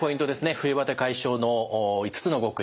冬バテ解消の５つの極意。